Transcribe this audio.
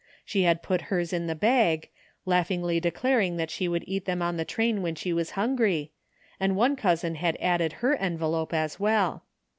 She had put hers in the bag, laughingly declaring that she would eat them on the train when she was hungry, and one cousin had added her envelope as well.